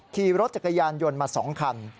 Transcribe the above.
ขี่รถจักรยานยนต์มา๒คัน